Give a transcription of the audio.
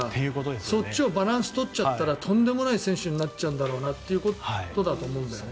そっちをバランス取っちゃったらとんでもない選手になるんだろうなということだよね。